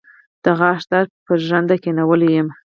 د غاښ درد پر ژرنده کېنولی يم.